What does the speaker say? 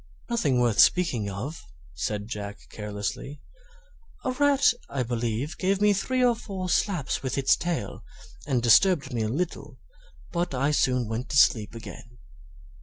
"Nothing worth speaking of," said Jack, carelessly; "a rat, I believe, gave me three or four slaps with its tail, and disturbed me a little; but I soon went to sleep again."